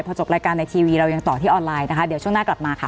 พอจบรายการในทีวีเรายังต่อที่ออนไลน์นะคะเดี๋ยวช่วงหน้ากลับมาค่ะ